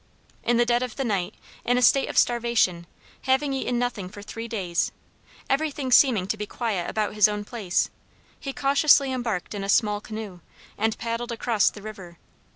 In the dead of the night, in a state of starvation, having eaten nothing for three days, everything seeming to be quiet about his own place, he cautiously embarked in a small canoe, and paddled across the river.